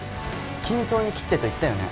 均等に切ってと言ったよね